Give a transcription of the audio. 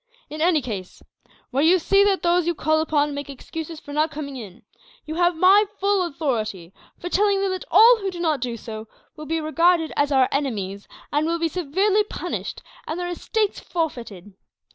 "In any case, where you see that those you call upon make excuses for not coming in, you have my full authority for telling them that all who do not do so will be regarded as our enemies, and will be severely punished, and their estates forfeited.